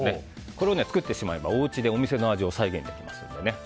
これを作ってしまえばおうちで、お店の味を再現できますので。